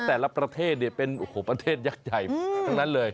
แต่ละประเทศเนี่ยเป็นประเทศยากใหญ่เท่านั้นเลย